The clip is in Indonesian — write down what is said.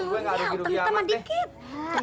ya utang utang dikit